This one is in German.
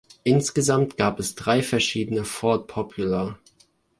Insgesamt gab es drei verschiedene "Ford Popular"